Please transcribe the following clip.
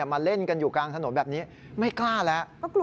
มาเล่นกันอยู่กลางถนนแบบนี้ไม่กล้าแล้ว